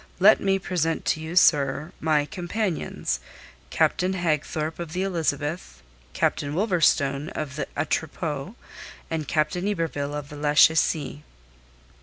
Let me present to you, sir, my companions: Captain Hagthorpe of the Elizabeth, Captain Wolverstone of the Atropos, and Captain Yberville of the Lachesis."